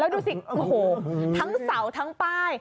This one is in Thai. ดูสิทั้งเสาทั้งป้าย